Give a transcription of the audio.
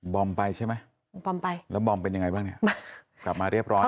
อมไปใช่ไหมบอมไปแล้วบอมเป็นยังไงบ้างเนี่ยกลับมาเรียบร้อย